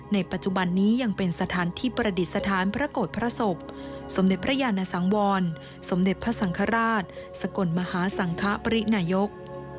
ในปัจจุบันนี้ยังเป็นสถานที่ประดิษฐานพระโกรธพระศพสมเด็จพระยานสังวรสมเด็จพระสังฆราชสกลมหาสังคปรินายก